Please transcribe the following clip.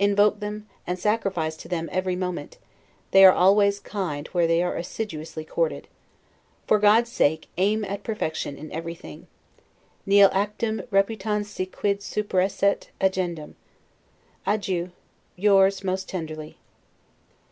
Invoke them, and sacrifice to them every moment; they are always kind, where they are assiduously courted. For God's sake, aim at perfection in everything: 'Nil actum reputans si quid superesset agendum. Adieu. Yours most tenderly.